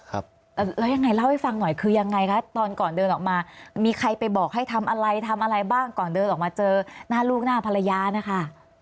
แล้วยังไงเล่าให้ฟังหน่อยคือยังไงคะตอนก่อนเดินออกมามีใครไปบอกให้ทำอะไรทำอะไรบ้างก่อนเดินออกมาเจอหน้าลูกหน้าภรรยานะคะ